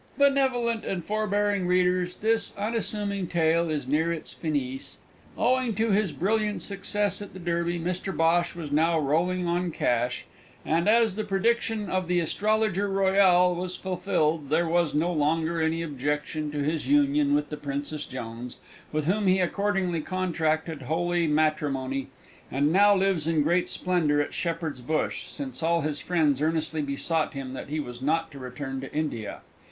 Benevolent and forbearing readers, this unassuming tale is near its finis. Owing to his brilliant success at the Derby, Mr Bhosh was now rolling on cash, and, as the prediction of the Astrologer Royal was fulfilled, there was no longer any objection to his union with the Princess Jones, with whom he accordingly contracted holy matrimony, and now lives in great splendour at Shepherd's Bush, since all his friends earnestly besought him that he was not to return to India.